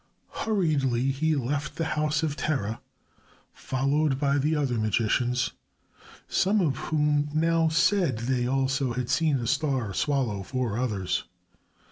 Hurriedly he left the house of Terah, followed by the other magicians, some of whom now said they also had seen a star swallow four others.